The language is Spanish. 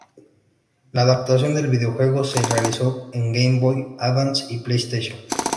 La adaptación al videojuego se realizó en Game Boy Advance y PlayStation.